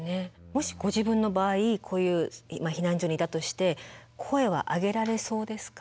もしご自分の場合こういう避難所にいたとして声は上げられそうですか？